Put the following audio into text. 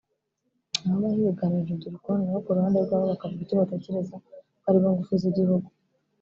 aho baha ibiganiro uru rubyiruko nabo ku ruhande rwabo bakavuga icyo batekereza kuko aribo ngufu z’igihugu